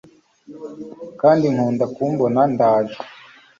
Kandi nkunda kumbona ndaje